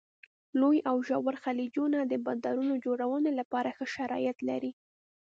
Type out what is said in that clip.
لوی او ژور خلیجونه د بندرونو جوړونې لپاره ښه شرایط لري.